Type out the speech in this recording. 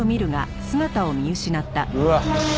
うわっ。